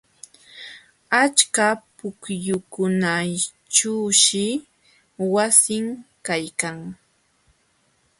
Achka pukyukunaćhuushi wasin kaykan.